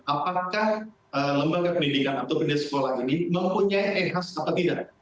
apakah lembang kependidikan atau pendidikan sekolah ini mempunyai ehas atau tidak